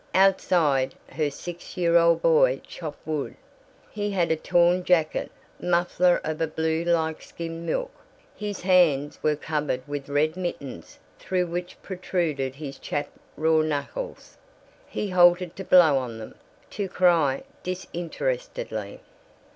Outside, her six year old boy chopped wood. He had a torn jacket, muffler of a blue like skimmed milk. His hands were covered with red mittens through which protruded his chapped raw knuckles. He halted to blow on them, to cry disinterestedly.